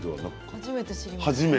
初めて知りました。